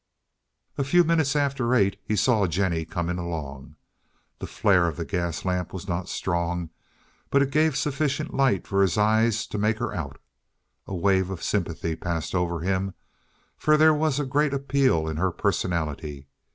A few minutes after eight he saw Jennie coming along. The flare of the gas lamp was not strong, but it gave sufficient light for his eyes to make her out. A wave of sympathy passed over him, for there was a great appeal in her personality.